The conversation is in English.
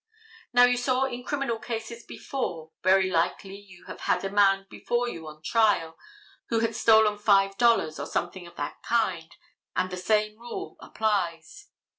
Now, you saw in criminal cases before—very likely you have had a man before you on trial who had stolen five dollars or something of that kind, and the same rule applies.